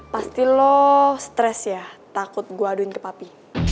pasti lo stres ya takut gue aduin ke papi